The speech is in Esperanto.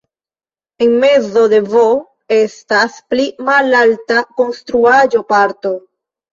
En mezo de "V" estas pli malalta konstruaĵo-parto.